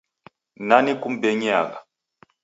Nani kum'beng'iagha?